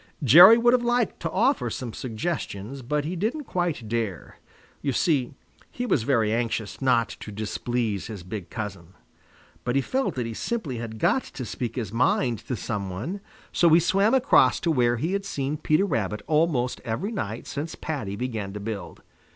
Jerry would have liked to offer some suggestions, but he didn't quite dare. You see, he was very anxious not to displease his big cousin. But he felt that he simply had got to speak his mind to some one, so he swam across to where he had seen Peter Rabbit almost every night since Paddy began to build.